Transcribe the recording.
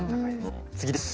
次です。